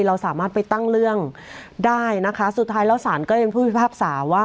เราสามารถไปตั้งเรื่องได้นะคะสุดท้ายแล้วศาลก็ยังผู้พิพากษาว่า